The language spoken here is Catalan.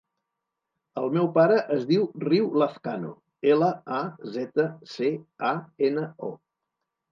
El meu pare es diu Riu Lazcano: ela, a, zeta, ce, a, ena, o.